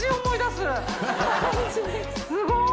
すごい！